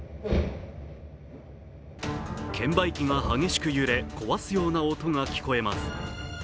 券売機が激しく揺れ壊すような音が聞こえます。